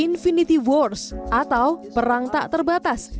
infinity wars atau perang tak terbatas